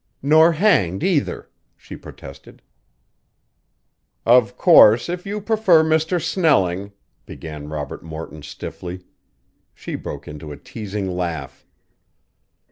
"Nor hanged either," she protested. "Of course if you prefer Mr. Snelling " began Robert Morton stiffly. She broke into a teasing laugh.